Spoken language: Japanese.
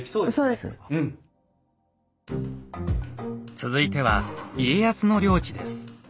続いては家康の領地です。